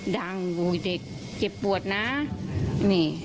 เด็กเจ็บปวดนะนี่